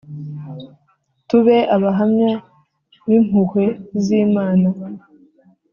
tube abahamya b'impuhwe z'imana